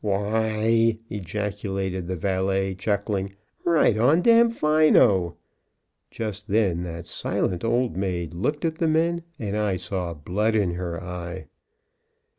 "Why," ejaculated the valet chuckling, "right on Damfino." Just then that silent old maid looked at the men; and I saw blood in her eye.